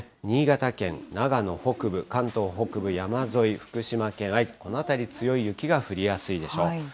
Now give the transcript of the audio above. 新潟県、長野北部、関東北部山沿い、福島県会津、この辺り、強い雪が降りやすいでしょう。